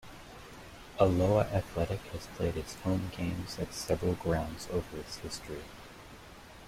Alloa Athletic has played its home games at several grounds over its history.